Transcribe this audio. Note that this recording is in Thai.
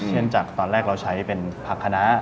จากตอนแรกเราใช้เป็นผักคณะ